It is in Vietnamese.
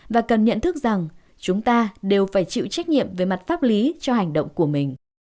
và cần nhận thức rằng chúng ta đều phải chịu trách nhiệm về mặt pháp lý cho hành động của mình